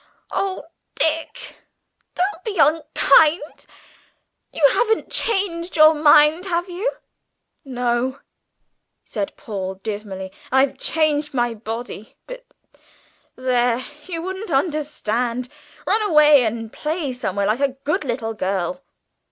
Oh, Dick, don't be unkind! You haven't changed your mind, have you?" "No," said Paul dismally, "I've changed my body. But there you wouldn't understand. Run away and play somewhere, like a good little girl!"